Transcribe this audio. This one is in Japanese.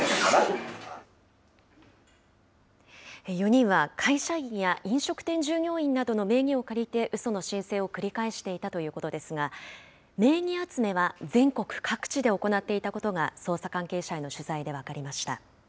４人は、会社員や飲食店従業員などの名義を借りて、うその申請を繰り返していたということですが、名義集めは全国各地で行っていたことが、捜査関係者への取材で分かりました。